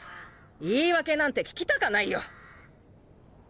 言い訳なんて聞きたかないよ。